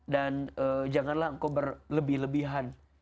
dan janganlah engkau berlebihan